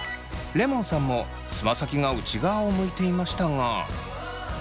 レモンさんもつま先が内側を向いていましたが。